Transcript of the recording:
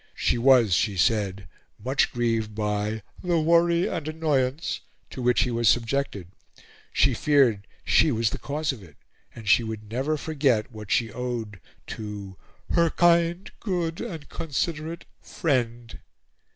She was, she said, much grieved by "the worry and annoyance" to which he was subjected; she feared she was the cause of it; and she would never forget what she owed to "her kind, good, and considerate friend."